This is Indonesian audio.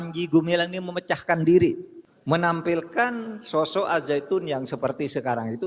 panji gumilang ini memecahkan diri menampilkan sosok al zaitun yang seperti sekarang itu